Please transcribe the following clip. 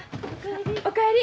お帰り。